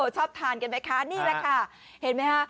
ชอบทานกันไหมคะนี่แหละค่ะเห็นไหมคะ